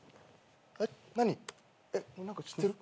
何か知ってる？